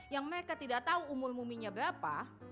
yang mereka tidak tahu umur muminya berapa